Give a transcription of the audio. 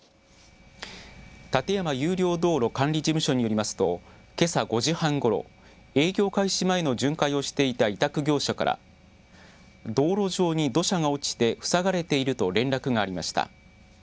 立山有料道路管理事務所によりますと、けさ５時半ごろ、営業開始前の巡回をしていた委託業者から道路上に土砂が落ちて塞がれていると連絡がありました。